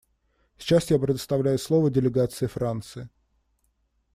Сейчас я предоставляю слово делегации Франции.